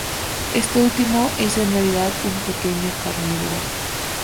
Este último es en realidad un pequeño carnívoro.